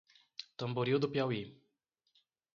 Tamboril do Piauí